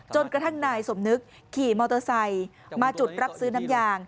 จนกระทั่งนายสมนึกขี่มอเตอร์ไซค์มาจุดรับซื้อน้ำยาง